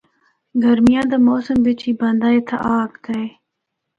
گرمیاں دا موسم بچ ہی بندا اِتھا آ ہکدا اے۔